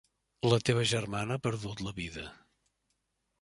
La teva germana ha perdut la vida.